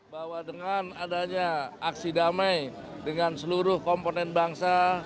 bahwa dengan adanya aksi damai dengan seluruh komponen bangsa